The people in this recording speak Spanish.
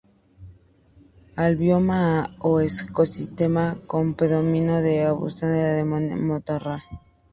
Al bioma o ecosistema con predominio de arbustos se le denomina matorral.